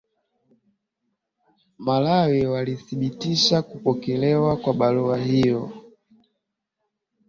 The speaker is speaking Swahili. malawi walithibitisha kupokelewa kwa barua hiyo